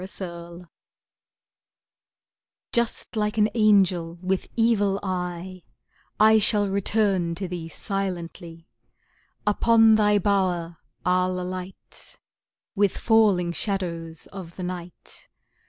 The Ghost Just like an angel with evil eye, I shall return to thee silently, Upon thy bower I'll alight, With falling shadows of the night.